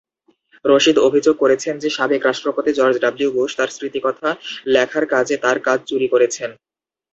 রশিদ অভিযোগ করেছেন যে সাবেক রাষ্ট্রপতি জর্জ ডব্লিউ বুশ তার স্মৃতিকথা লেখার কাজে তার কাজ চুরি করেছেন।